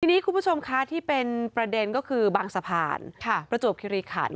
ทีนี้คุณผู้ชมคะที่เป็นประเด็นก็คือบางสะพานประจวบคิริขัน